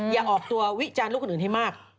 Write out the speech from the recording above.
อย่าออกตัววิจารณ์ลูกคนอื่นให้มาก